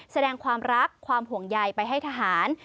แสดงความรักความห่วงใยไปให้ทหาร